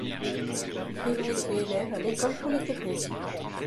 Il a été élève à l’École polytechnique.